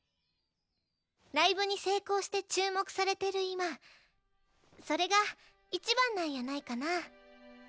ライブに成功して注目されてる今それが一番なんやないかな。